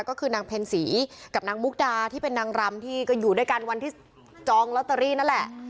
ก็คือนางเพ็ญศรีกับนางมุกดาที่เป็นนางรำที่ก็อยู่ด้วยกันวันที่จองลอตเตอรี่นั่นแหละ